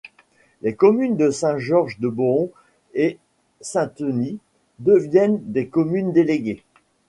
Les communes de Saint-Georges-de-Bohon et Sainteny deviennent des communes déléguées.